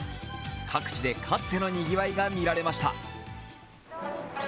各地でかつてのにぎわいが見られました。